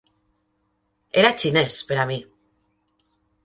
Era xinès per a mi